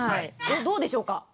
どうでしょうか？